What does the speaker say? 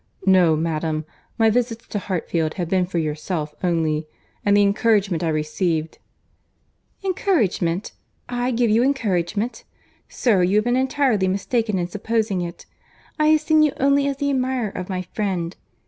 —No, madam, my visits to Hartfield have been for yourself only; and the encouragement I received—" "Encouragement!—I give you encouragement!—Sir, you have been entirely mistaken in supposing it. I have seen you only as the admirer of my friend.